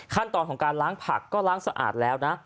ขั้นตอนของการล้างผักก็ล้างสะอาดแล้วนะ